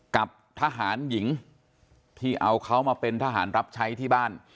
กับทหารหญิงที่เอาเขามาเป็นทหารรับใช้ที่บ้าน